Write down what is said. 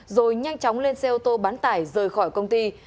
rồi nhanh chóng lên xe ô tô bán tải rời khỏi công ty